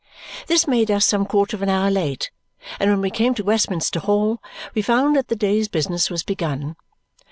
This made us some quarter of an hour late, and when we came to Westminster Hall we found that the day's business was begun.